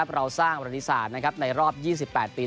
เราสร้างประธิษฐานในรอบ๒๘ปี